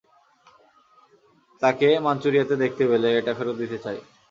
তাকে মাঞ্চুরিয়াতে দেখতে পেলে, এটা ফেরত দিতে চাই।